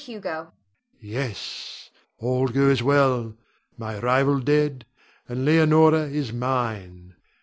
Yes; all goes well. My rival dead, and Leonore is mine.